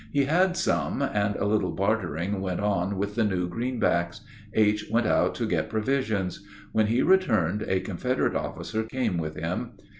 He had some, and a little bartering went on with the new greenbacks. H. went out to get provisions. When he returned a Confederate officer came with him.